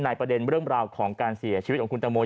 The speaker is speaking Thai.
ในประเด็นเริ่มราวของการเสียชีวิตของคุณโตโมน